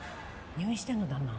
入院してんの旦那？